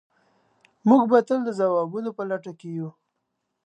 موږ به تل د ځوابونو په لټه کې یو.